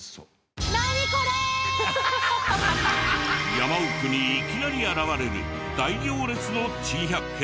山奥にいきなり現れる大行列の珍百景。